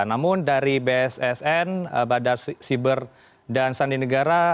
namun dari bssn badar siber dan sandi negara